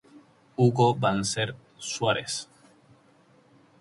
Hugo Banzer Suárez.